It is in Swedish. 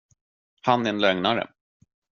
Han är en lögnare!